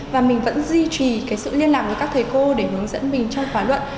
và mình vẫn duy trì sự liên lạc với các thầy cô để hướng dẫn mình trong khóa luận